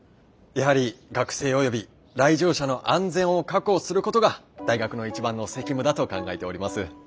「やはり学生及び来場者の安全を確保することが大学の一番の責務だと考えております」。